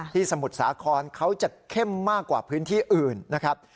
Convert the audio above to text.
สมุทรสาครเขาจะเข้มมากกว่าพื้นที่อื่นนะครับ